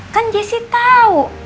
kan jessi tau